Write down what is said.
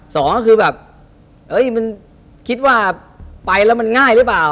สองก็คือแบบเอ้ยมันคิดว่าไปแล้วมันง่ายหรือเปล่า